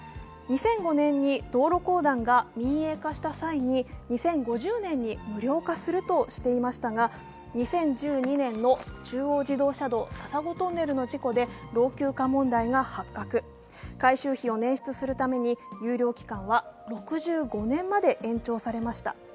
２００５年に道路公団が民営化した際に、２０５０年に無料化するとしていましたが、２０１２年の中央自動車道笹子トンネルの事故で改修費を捻出するために有料期間は６５年まで延長されました。